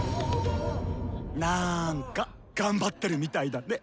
なんかがんばってるみたいだネ。